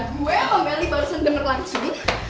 gue sama meli barusan denger langsung